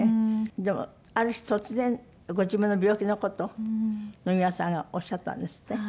でもある日突然ご自分の病気の事野際さんがおっしゃったんですって？